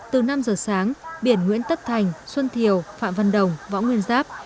từ năm giờ sáng biển nguyễn tất thành xuân thiều phạm văn đồng võ nguyên giáp